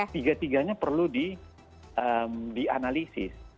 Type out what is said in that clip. tiga tiganya perlu dianalisis